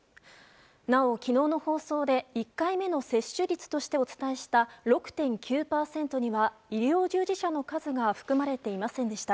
なお、昨日の放送で１回目の接種率としてお伝えした６．９％には医療従事者の数が含まれていませんでした。